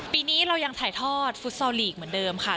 ปีนี้เรายังถ่ายทอดฟุตซอลลีกเหมือนเดิมค่ะ